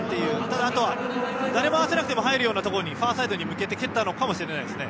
あとは誰も合わせなくても入るようなところにファーサイドに向けて蹴ったのかもしれないですね。